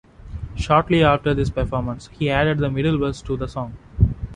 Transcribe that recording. Shortly after this performance, he added the middle verse to the song.